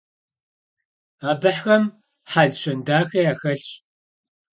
Abıxem hel - şen daxe yaxelhş.